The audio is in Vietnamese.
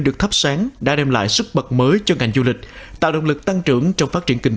được thắp sáng đã đem lại sức mật mới cho ngành du lịch tạo động lực tăng trưởng trong phát triển kinh